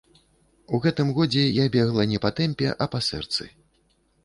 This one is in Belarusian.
У гэтым годзе я бегла не па тэмпе, а па сэрцы.